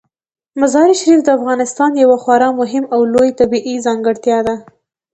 مزارشریف د افغانستان یوه خورا مهمه او لویه طبیعي ځانګړتیا ده.